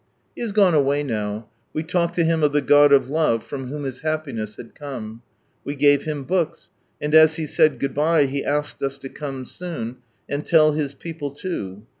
He has gone away now ; we talked to him of the God of Love from whom his happiness had come. We gave him books, and as he said goodbye, he asked us to come soon, and tell his people loo.